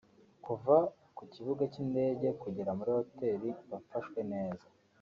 kuva ku kibuga cy’indege kugera muri Hoteli mba mfashwe neza